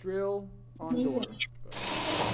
腺齿铁角蕨为铁角蕨科铁角蕨属下的一个种。